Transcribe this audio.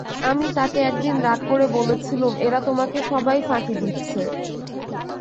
আমি তাঁকে একদিন রাগ করে বলেছিলুম, এরা তোমাকে সবাই ফাঁকি দিচ্ছে।